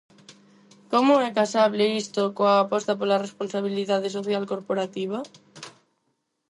¿Como é casable isto coa aposta pola responsabilidade social corporativa?